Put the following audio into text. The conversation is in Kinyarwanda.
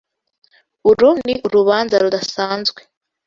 Uru ni urubanza rudasanzwe.